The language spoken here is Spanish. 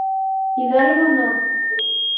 Hidalgo No.